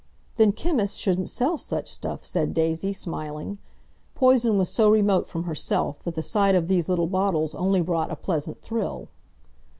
"Then chemists shouldn't sell such stuff," said Daisy, smiling. Poison was so remote from herself, that the sight of these little bottles only brought a pleasant thrill.